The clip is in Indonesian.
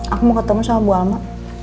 aku mau ketemu sama bu ama